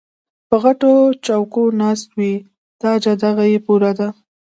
پۀ غټو چوکــــو ناست وي تاجه دغه یې پوره ده